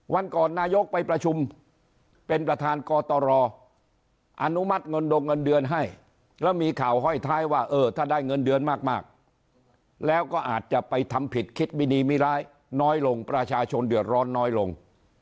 วันก่อนนายกไปประชุมเป็นประธานกตรอนุมัติเงินดงเงินเดือนให้แล้วมีข่าวห้อยท้ายว่าเออถ้าได้เงินเดือนมากแล้วก็อาจจะไปทำผิดคิดมินีมิร้ายน้อยลงประชาชนเดือดร้อนน้อยลง